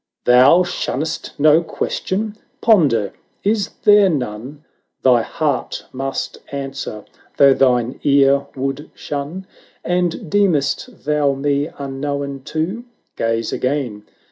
" Thou shunn'st no question ! Pon der — is there none Thy heart must answer, though thine ear would shun? And deem'st thou me unknown too? Gaze again